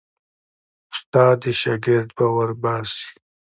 استاد د شاګرد باور باسي.